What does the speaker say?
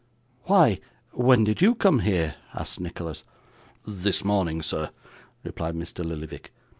'Why, when did you come here?' asked Nicholas. 'This morning, sir,' replied Mr. Lillyvick.